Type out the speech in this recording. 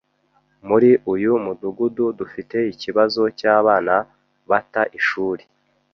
Muri uyu Mudugudu dufite ikibazo cy’abana bata ishuri